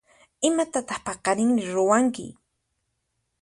Imatataq paqarinri ruwanki?